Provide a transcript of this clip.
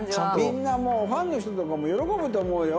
みんなもうファンの人とかも喜ぶと思うよ